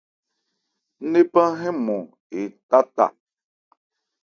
Ńnephan hɛ́n nmɔn etá ta.